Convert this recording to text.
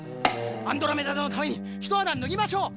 アンドロメダ座のためにひとはだぬぎましょう！